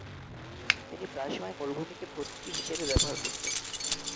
তিনি প্রায় সময় মরুভূমিকে প্রতীকী হিসেবে ব্যবহার করতেন।